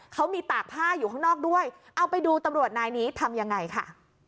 เขามีตากผ้าอยู่ข้างนอกด้วยเอาไปดูตำรวจนายนี้ทำยังไงค่ะ